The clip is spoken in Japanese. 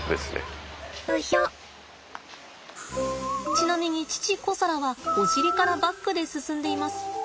ちなみに父コサラはお尻からバックで進んでいます。